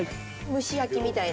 蒸し焼きみたいな。